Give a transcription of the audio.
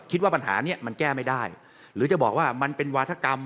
คิดว่าปัญหานี้มันแก้ไม่ได้หรือจะบอกว่ามันเป็นวาธกรรม